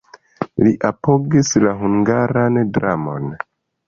Li apogis la hungaran dramon.